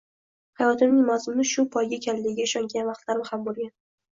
hayotimning mazmuni shu poyga ekanligiga ishongan vaqtlarim ham bo’lgan